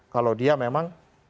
kalau dia memang